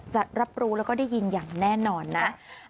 จะรับรู้แล้วก็ได้ยินอย่างแน่นอนนะ